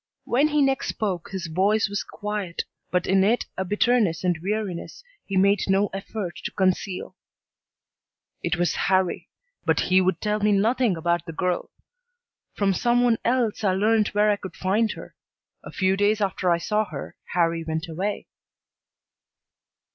When he next spoke his voice was quiet, but in it a bitterness and weariness he made no effort to conceal. "It was Harrie, but he would tell me nothing about the girl. From some one else I learned where I could find her. A few days after I saw her, Harrie went away."